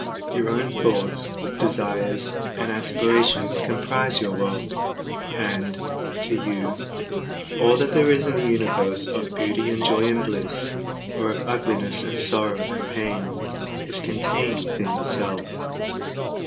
Your own thoughts, desires, and aspirations comprise your world, and, to you, all that there is in the universe of beauty and joy and bliss, or of ugliness and sorrow and pain, is contained within yourself.